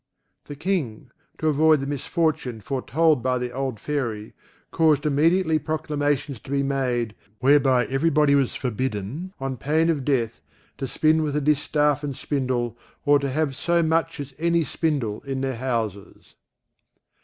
The King, to avoid the misfortune foretold by the old Fairy, caused immediately proclamations to be made, whereby every body was forbidden, on pain of death, to spin with a distaff and spindle or to have so much as any spindle in their houses.